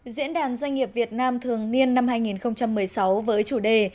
diễn đàn doanh nghiệp việt nam thường niên năm hai nghìn một mươi sáu với chủ đề